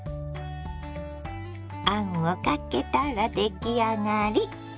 あんをかけたら出来上がり。